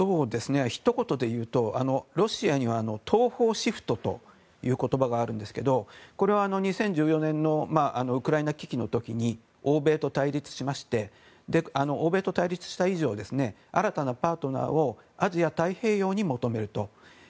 ひと言でいうとロシアには東方シフトという言葉があるんですけどこれは、２０１４年のウクライナ危機の時に欧米と対立しまして欧米と対立した以上新たなパートナーをアジア太平洋に求めると。